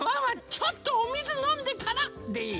ちょっとおみずのんでからでいい？